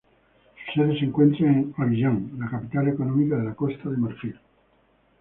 Su sede se encuentra en Abiyán, la capital económica de Costa de Marfil.